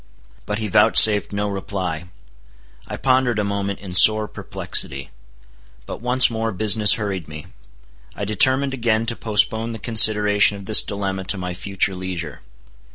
But he vouchsafed no reply. I pondered a moment in sore perplexity. But once more business hurried me. I determined again to postpone the consideration of this dilemma to my future leisure.